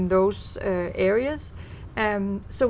họ đều rất mong muốn